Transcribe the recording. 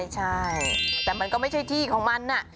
ใช่แต่มันก็ไม่ใช่ที่ของมัน